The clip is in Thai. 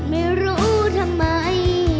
ไม่รู้ทำไม